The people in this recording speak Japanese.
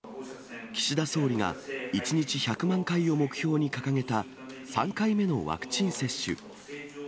岸田総理が１日１００万回を目標に掲げた３回目のワクチン接種。